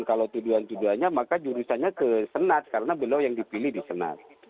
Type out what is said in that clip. kalau tuduhan tuduhannya maka jurusannya ke senat karena beliau yang dipilih di senat